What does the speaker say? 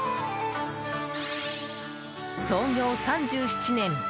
創業３７年。